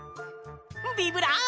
ビブラボ！